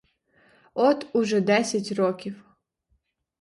От уже десять років.